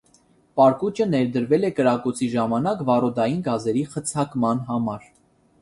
Պարկուճը ներդրվել է կրակոցի ժամանակ վառոդային գազերի խցակման համար։